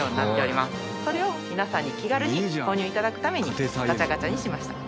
それを皆さんに気軽に購入頂くためにガチャガチャにしました。